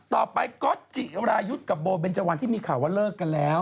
ต่อไปก็จิรายุทธ์กับโมเม้นต์จัวันที่มีข่าวว่าเลิกก็แล้ว